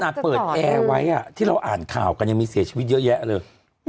เปิดแอร์ไว้ที่เราอ่านข่าวกันยังมีเสียชีวิตเยอะแยะเลย